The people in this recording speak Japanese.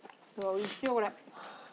おいしいわこれ。